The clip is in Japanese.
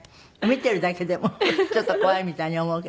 見てるだけでもちょっと怖いみたいに思うけど。